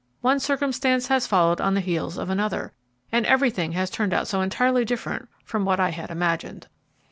One circumstance has followed on the heels of another, and everything has turned out so entirely different from what I had imagined.